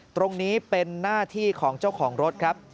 ตรงนี้เป็นหน้าที่ของเจ้าของรถครับ